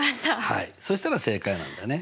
そしたら正解なんだね。